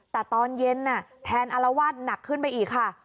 แต่ตอนเย็นแทนอารวาสหนักขึ้นไปอีกค่ะ